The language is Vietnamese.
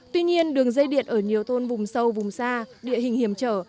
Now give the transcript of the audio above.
tuy nhiên đường dây điện ở nhiều thôn vùng sâu vùng xa địa hình hiểm trở